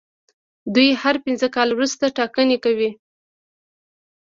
دوی هر پنځه کاله وروسته ټاکنې کوي.